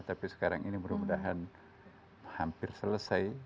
tapi sekarang ini mudah mudahan hampir selesai